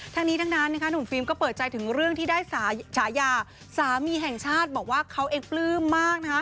ทั้งนี้ทั้งนั้นหนุ่มฟิล์มก็เปิดใจถึงเรื่องที่ได้ฉายาสามีแห่งชาติบอกว่าเขาเองปลื้มมาก